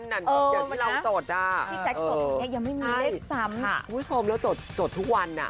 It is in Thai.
ที่เราจดอ่ะพี่แจ๊คจดตรงนี้ยังไม่มีเลขซ้ำคุณผู้ชมแล้วจดจดทุกวันอ่ะ